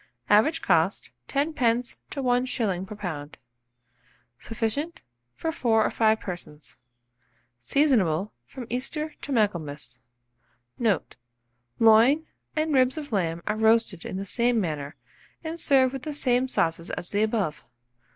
Average cost, 10d. to 1s. per lb. Sufficient for 5 or 6 persons. Seasonable from Easter to Michaelmas. Note. Loin and ribs of lamb are roasted in the same manner, and served with the same sauces as the above.